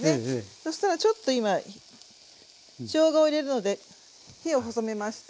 そしたらちょっと今しょうがを入れるので火を細めました。